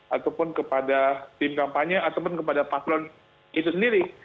ataupun kepada tim kampanye ataupun kepada paslon itu sendiri